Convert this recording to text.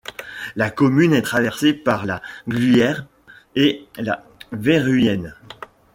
La commune est traversée par la Glueyre et la Veyruègne.